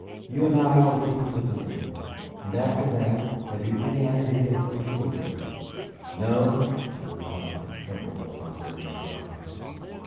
"You and I will go to the Governor. And after that, have you any idea where you will go?" "No," I replied, troubled by her regard.